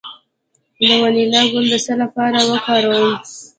د وانیلا ګل د څه لپاره وکاروم؟